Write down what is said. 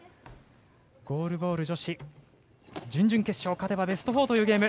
ゴールボール女子準々決勝勝てばベスト４というゲーム。